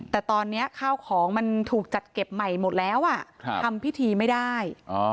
แต่ตอนนี้ข้าวของมันถูกจัดเก็บใหม่หมดแล้วทำพิธีไม่ได้